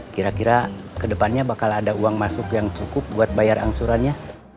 kira kira kedepannya bakal ada uang masuk yang cukup buat bayar angsurannya